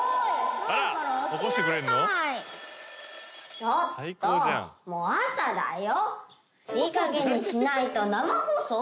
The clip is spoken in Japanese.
ちょっともう朝だよ。